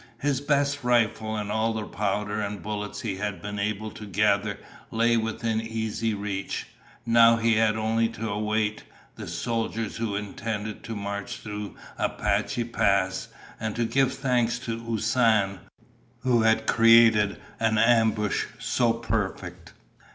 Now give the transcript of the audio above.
His best rifle and all the powder and bullets he had been able to gather lay within easy reach. Now he had only to await the soldiers, who intended to march through Apache Pass, and to give thanks to Usan, who had created an ambush so perfect.